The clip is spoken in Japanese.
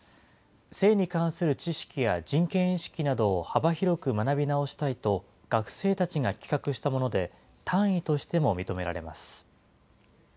性に関する知識や人権意識などを幅広く学び直したいと、学生たちが企画したもので、単位としても認められます。